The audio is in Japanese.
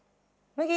麦！